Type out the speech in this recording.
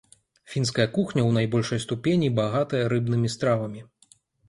Фінская кухня ў найбольшай ступені багатая рыбнымі стравамі.